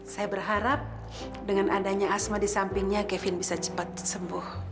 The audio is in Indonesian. saya berharap dengan adanya asma di sampingnya kevin bisa cepat sembuh